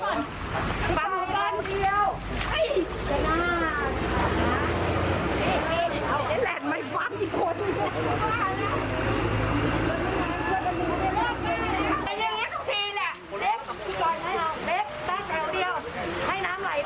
ให้น้ำไหลลิ้นเราจะไม่ทำแบบนี้